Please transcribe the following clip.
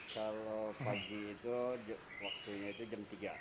kalau pagi itu waktunya itu jam tiga